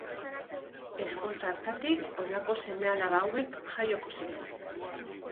Ezkontza hartatik honako seme-alaba hauek jaioko ziren.